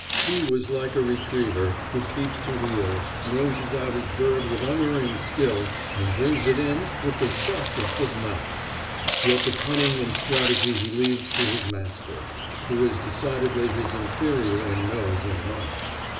He was like a retriever, who keeps to heel, noses out his bird with unerring skill, and brings it in with the softest of mouths; yet the cunning and strategy he leaves to his master, who is decidedly his inferior in nose and mouth.